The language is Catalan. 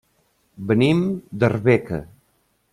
Venim d'Arbeca.